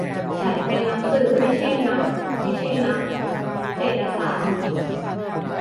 ฉันเป็นนักสืบ ไม่ใช่นักไม่ใช่นักเศรษฐศาสตร์